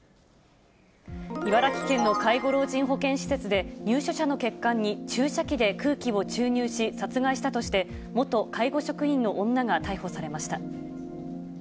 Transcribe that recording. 茨城県の介護老人保健施設で、入所者の血管に注射器で空気を注入し殺害したとして、元介護職員の女が逮捕されました。